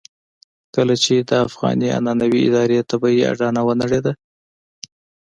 کله چې د افغاني عنعنوي ادارې طبيعي اډانه ونړېده.